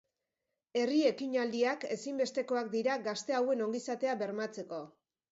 Herri ekinaldiak ezinbestekoak dira gazte hauen ongizatea bermatzeko.